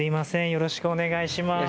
よろしくお願いします。